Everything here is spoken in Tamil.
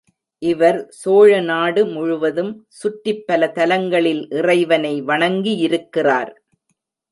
இவர் சோழ நாடு முழுவதும் சுற்றிப் பல தலங்களில் இறைவனை வணங்கியிருக்கிறார்.